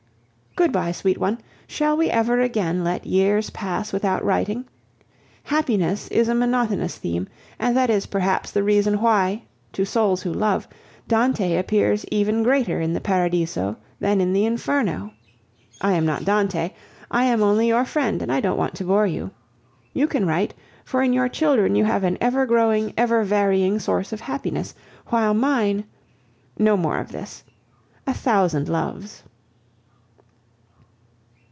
Good bye, sweet one. Shall we ever again let years pass without writing? Happiness is a monotonous theme, and that is, perhaps, the reason why, to souls who love, Dante appears even greater in the Paradiso than in the Inferno. I am not Dante; I am only your friend, and I don't want to bore you. You can write, for in your children you have an ever growing, every varying source of happiness, while mine... No more of this. A thousand loves.